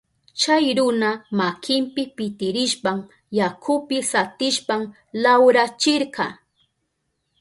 Chay runa makinpi pitirishpan yakupi satishpan lawrachirka.